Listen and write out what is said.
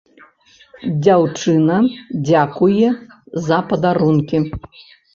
Дзяўчына дзякуе за падарункі.